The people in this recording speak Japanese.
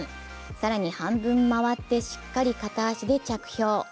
更に半分回ってしっかり片足で着氷。